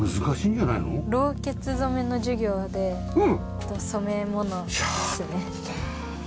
ろうけつ染めの授業で染め物ですね。